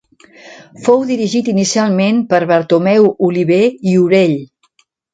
Fou dirigit inicialment per Bartomeu Oliver i Orell.